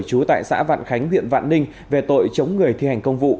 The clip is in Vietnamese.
trú tại xã vạn khánh huyện vạn ninh về tội chống người thi hành công vụ